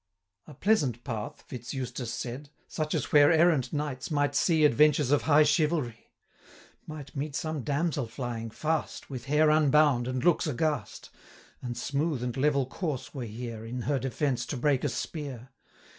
'A pleasant path,' Fitz Eustace said; 'Such as where errant knights might see 75 Adventures of high chivalry; Might meet some damsel flying fast, With hair unbound, and looks aghast; And smooth and level course were here, In her defence to break a spear.